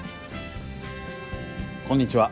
こんにちは。